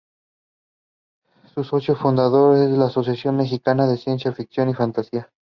Es socio fundador de la Asociación Mexicana de Ciencia Ficción y Fantasía.